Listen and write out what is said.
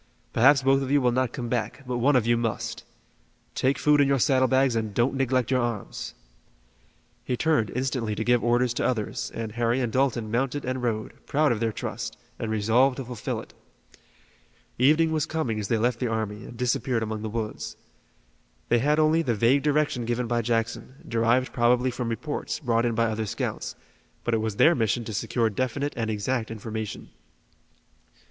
Perhaps both of you will not come back, but one of you must. Take food in your saddle bags and don't neglect your arms." He turned instantly to give orders to others and Harry and Dalton mounted and rode, proud of their trust, and resolved to fulfill it. Evening was coming as they left the army, and disappeared among the woods. They had only the vague direction given by Jackson, derived probably from reports, brought in by other scouts, but it was their mission to secure definite and exact information.